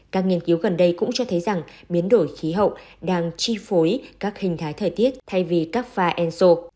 các nghiên cứu gần đây cũng cho thấy rằng biến đổi khí hậu đang chi phối các hình thái thời tiết thay vì các pha enso